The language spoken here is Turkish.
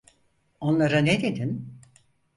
Onlara ne dedin?